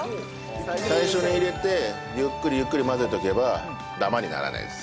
最初に入れてゆっくりゆっくり混ぜておけばダマにならないです。